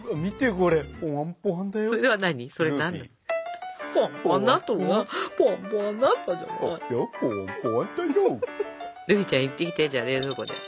グーフィーちゃん行ってきてじゃあ冷蔵庫で。